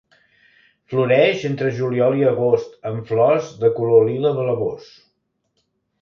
Floreix entre juliol i agost, amb flors de color lila blavós.